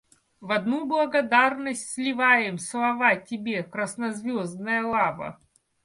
В одну благодарность сливаем слова тебе, краснозвездная лава.